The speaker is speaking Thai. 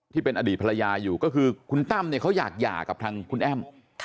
ที่เป็นอดีตภรรยาอยู่ก็คือคุณตั้มเนี่ยเขาอยากหย่ากับทางคุณแอ้ม